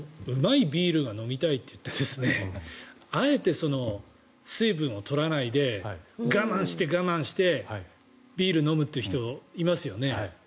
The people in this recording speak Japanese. うまいビールが飲みたいといってあえて水分を取らないで我慢して我慢してビールを飲むという人いますよね。